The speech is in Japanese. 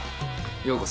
ようこそ。